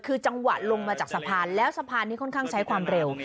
คือจังหวะลงมาจากสะพานแล้วสะพานนี้ค่อนข้างใช้ความเร็ว